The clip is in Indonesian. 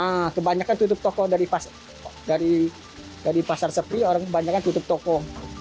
nah kebanyakan tutup toko dari pasar sepi orang kebanyakan tutup toko